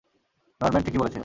Norman ঠিকই বলেছিল।